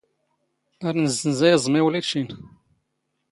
ⴰⵔ ⵏⵣⵣⵏⵣⴰ ⵉⵥⵎⵉ ⵏ ⵓⵍⵉⵜⵛⵉⵏ.